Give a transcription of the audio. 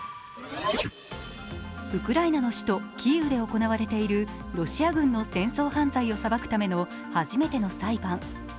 ウクライナの首都キーウで行われているロシア軍の戦争犯罪を裁くための初めての裁判。